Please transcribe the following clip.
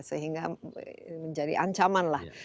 sehingga menjadi ancaman lah